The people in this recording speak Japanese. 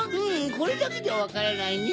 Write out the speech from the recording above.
これだけじゃわからないネ。